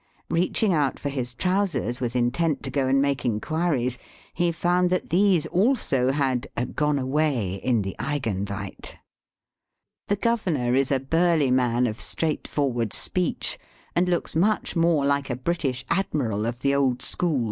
Beaching out for his trousers with intent to go and make inquiries, he found that these also had " gone away in the eigenweit." The governor is a burly man of straightforward speech, and looks much more like a British admiral of the old school Digitized by VjOOQIC 120 EAST BY WEST.